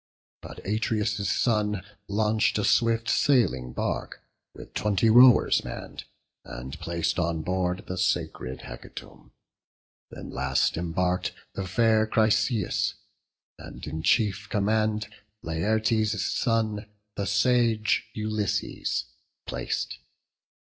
But Atreus' son launch'd a swift sailing bark, With twenty rowers mann'd, and plac'd on board The sacred hecatomb; then last embark'd The fair Chryseis, and in chief command Laertes' son, the sage Ulysses, plac'd.